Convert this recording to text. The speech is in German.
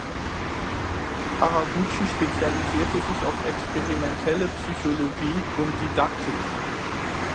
Haraguchi spezialisierte sich auf Experimentelle Psychologie und Didaktik.